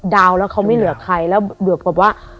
ดาวน์แล้วเขาไม่เหลือใครแล้วเหมือนกับว่า